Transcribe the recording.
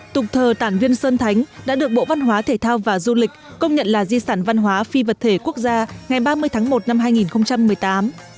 tục thờ tản viên sơn thánh đã được bộ văn hóa thể thao và du lịch công nhận là di sản văn hóa phi vật thể quốc gia ngày ba mươi tháng một năm hai nghìn một mươi tám